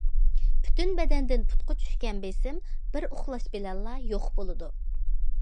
پۈتۈن بەدەندىن پۇتقا چۈشكەن بېسىم، بىر ئۇخلاش بىلەنلا يوق بولىدۇ.